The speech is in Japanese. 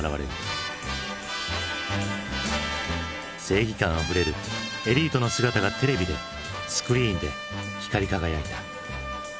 正義感あふれるエリートの姿がテレビでスクリーンで光り輝いた。